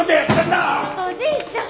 ちょっとおじいちゃん！